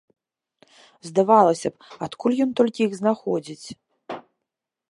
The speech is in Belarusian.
Здавалася б, адкуль ён толькі іх знаходзіць?